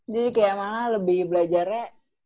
jadi kayak malah lebih belajarnya